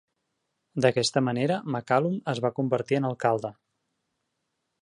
D'aquesta manera, McCallum es va convertir en alcalde.